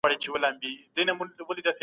موږ پدې حالت کي ستا ساتنه نه سو کولای.